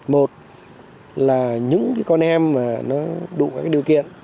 một là những con em đủ điều kiện